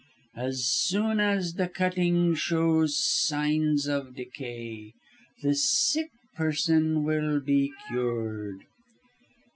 As soon as the cutting shows signs of decay, the sick person will be cured.